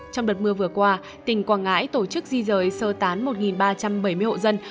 trong đợt mưa vừa qua tỉnh quảng ngãi tổ chức di rời sơ tán một ba trăm bảy mươi hộ dân